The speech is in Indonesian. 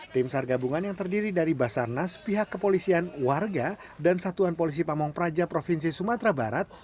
tim sar gabungan yang terdiri dari basarnas pihak kepolisian warga dan satuan polisi pamung praja provinsi sumatera barat